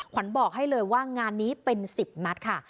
ขวัญบอกให้เลยว่างานนี้เป็น๑๐นัดค่ะ